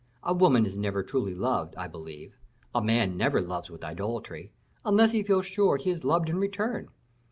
A woman is never truly loved, I believe; a man never loves with idolatry, unless he feels sure he is loved in return.